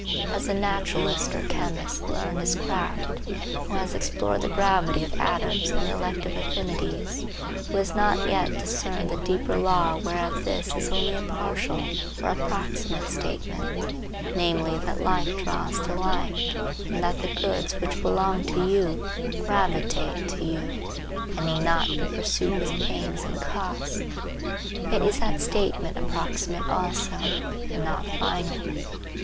Has the naturalist or chemist learned his craft, who has explored the gravity of atoms and the elective affinities, who has not yet discerned the deeper law whereof this is only a partial or approximate statement, namely that like draws to like, and that the goods which belong to you gravitate to you and need not be pursued with pains and cost? Yet is that statement approximate also, and not final.